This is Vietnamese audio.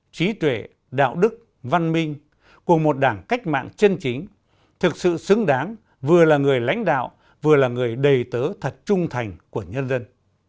trí tuệ đạo đức văn minh của một đảng cách mạng chân chính thực sự xứng đáng vừa là người lãnh đạo vừa là người đầy tớ thật trung thành của nhân dân